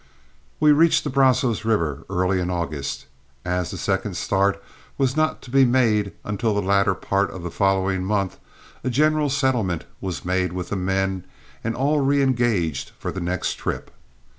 We reached the Brazos River early in August. As the second start was not to be made until the latter part of the following month, a general settlement was made with the men and all reëngaged for the next trip.